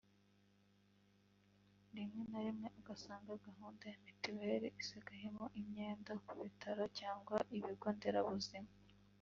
rimwe na rimwe ugasanga Gahunda ya Mutuelle isigayemo imyenda ku bitaro cyangwa ibigo nderabuzima